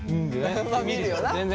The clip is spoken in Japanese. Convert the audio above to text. まあ見るよな？